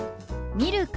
「ミルク」。